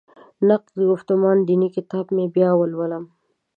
نقد ګفتمان دیني کتاب مې بیا ولولم.